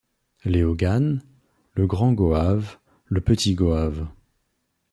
Léogane, Le Grand-Goave, Le Petit-Goave.